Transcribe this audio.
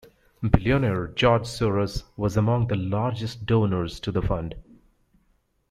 Billionaire George Soros was among the largest donors to the Fund.